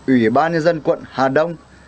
ủy ban nhân dân quận hà đông